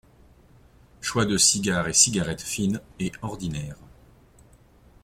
Choix de cigares et cigarettes fines et ordinaires.